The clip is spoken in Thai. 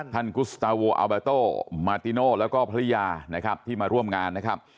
กุสตาโวอัลบาโต้มาติโน่แล้วก็ภรรยานะครับที่มาร่วมงานนะครับ